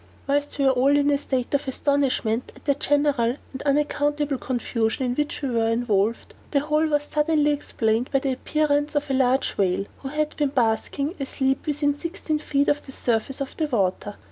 Whilst we were all in a state of astonishment at the general and unaccountable confusion in which we were involved, the whole was suddenly explained by the appearance of a large whale, who had been basking, asleep, within sixteen feet of the surface of the water.